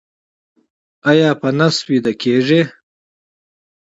ایا په نس ویده کیږئ؟